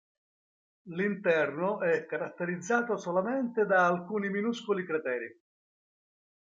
L'interno è caratterizzato solamente da alcuni minuscoli crateri.